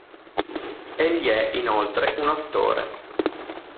Egli è, inoltre, un attore.